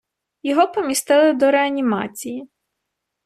Його помістили до реанімації.